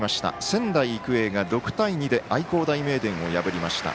仙台育英が６対２で愛工大名電を破りました。